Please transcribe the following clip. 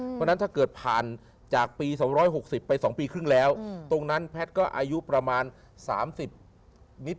เพราะฉะนั้นถ้าเกิดผ่านจากปี๒๖๐ไป๒ปีครึ่งแล้วตรงนั้นแพทย์ก็อายุประมาณ๓๐นิด